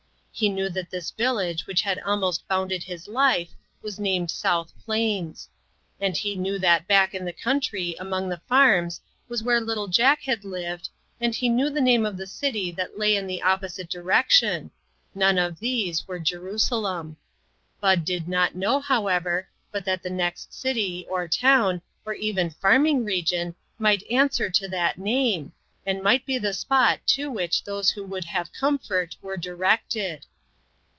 He knew that this village which had almost bounded his life was named South Plains ; and he knew that back in the country among the farms was where little Jack had lived, and he knew the name of the city that lay in the opposite direction; none of these were Jerusalem. Bud did not know, however, but that the next city, or town, or even farming region might answer to that name, and might be the spot to which those who would have comfort were directed.